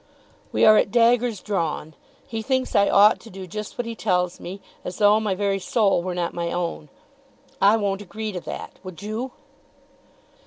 "We are at daggers drawn. He thinks I ought to do just what he tells me, as though my very soul were not my own. I won't agree to that; would you?"